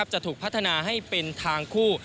จะถูกพัฒนาให้เป็นทางคู่